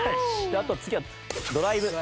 あと次はドライブ。